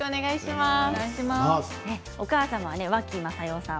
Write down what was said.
お母様は脇雅世さん。